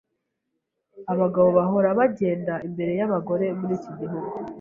Abagabo bahora bagenda imbere yabagore muri iki gihugu.